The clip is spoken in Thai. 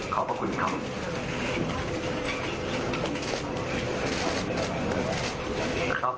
ขอบพระคุณครับ